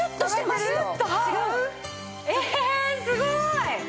すごい！